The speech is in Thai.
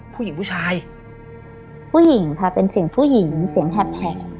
ผู้ชายผู้หญิงค่ะเป็นเสียงผู้หญิงเสียงแหบ